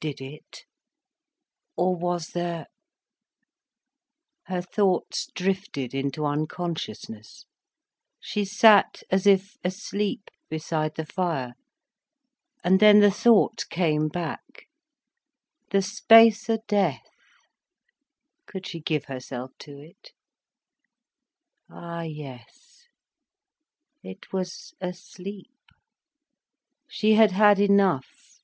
Did it?—or was there—? Her thoughts drifted into unconsciousness, she sat as if asleep beside the fire. And then the thought came back. The space of death! Could she give herself to it? Ah yes—it was a sleep. She had had enough.